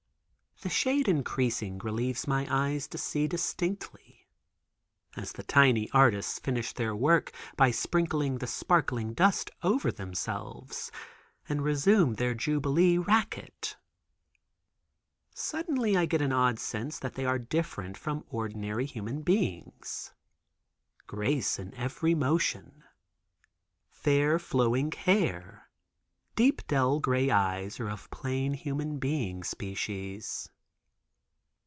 The shade increasing relieves my eyes to see distinctly. As the tiny artists finish their work by sprinkling the sparkling dust over themselves and resume their jubilee racket. Suddenly I get an odd sense that they are different from ordinary human beings. Grace in every motion. Fair flowing hair; deep dell gray eyes are of plain human being species.